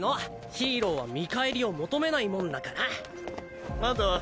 ヒーローは見返りを求めないもんだから。あんたは？